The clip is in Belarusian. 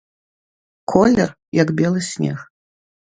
Колер, як белы снег.